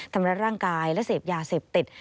ธรรมดรรทางร่างกายและเสพยาเสพติด